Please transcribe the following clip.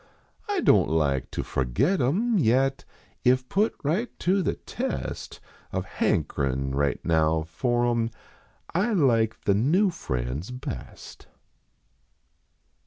I don t like to forget em, vet If put right to the test Of hankerin right now for em I like the new friends best.